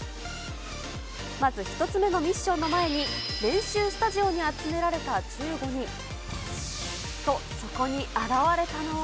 まず１つ目のミッションの前に、練習スタジオに集められた１５人。と、そこに現れたのは。